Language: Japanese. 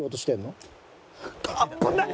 危ない！